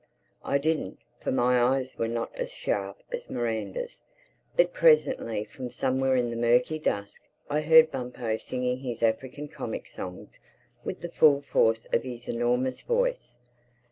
I didn't—for my eyes were not as sharp as Miranda's. But presently from somewhere in the murky dusk I heard Bumpo singing his African comic songs with the full force of his enormous voice.